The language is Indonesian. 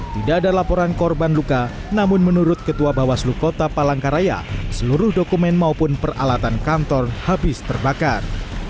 tidak ada laporan korban luka namun menurut ketua bawaslu kota palangkaraya seluruh dokumen maupun peralatan kantor habis terbakar